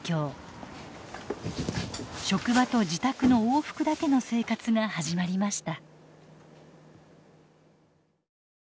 職場と自宅の往復だけの生活が始まりました。